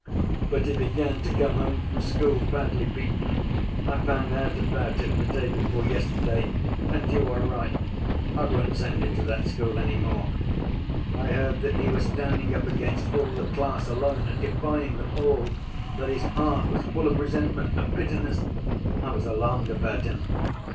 "But he began to come home from school badly beaten, I found out about it the day before yesterday, and you are right, I won't send him to that school any more. I heard that he was standing up against all the class alone and defying them all, that his heart was full of resentment, of bitterness—I was alarmed about him.